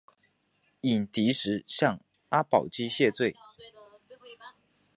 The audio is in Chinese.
寅底石向阿保机谢罪。